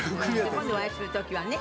今度お会いする時はね。